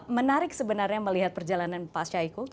menarik sebenarnya melihat perjalanan pak syahiku